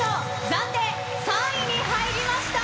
暫定３位に入りました。